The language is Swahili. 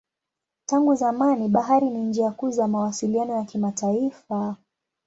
Tangu zamani bahari ni njia kuu za mawasiliano ya kimataifa.